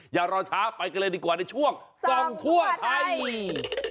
อย่ารอช้าไปกันเลยดีกว่าในช่วงส่องทั่วไทย